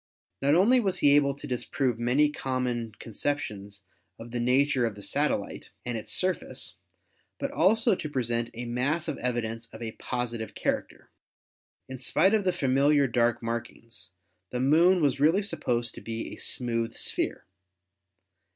Not only was he able to disprove many common conceptions of the nature of the satellite and its surface, but also to present a mass of evidence of a positive character. In spite of the familiar dark markings, the Moon was really supposed to be a smooth sphere.